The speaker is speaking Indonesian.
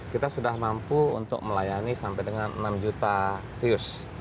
kita sudah mampu untuk melayani sampai dengan enam juta tius